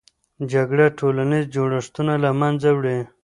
جګړه ټولنیز جوړښتونه له منځه وړي.